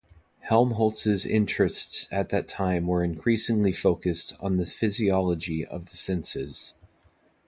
Helmholtz's interests at that time were increasingly focused on the physiology of the senses.